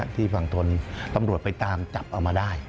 ที่ฝั่งทนตำรวจไปตามจับเอามาได้